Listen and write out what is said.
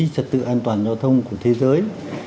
trật tự an toàn giao thông của thế giới